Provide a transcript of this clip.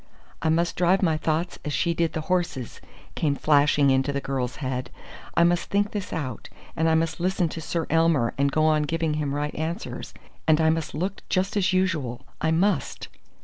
"I must drive my thoughts as she did the horses," came flashing into the girl's head. "I must think this out, and I must listen to Sir Elmer and go on giving him right answers, and I must look just as usual. _I must!